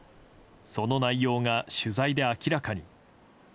その内容が取材で明らかに。